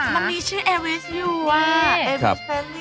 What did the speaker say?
มันมีชื่อแววิทย์อยู่